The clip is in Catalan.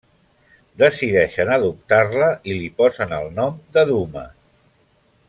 Decideixen adoptar-la i li posen el nom de Duma.